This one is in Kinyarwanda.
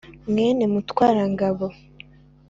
Mwene Mutwarangabo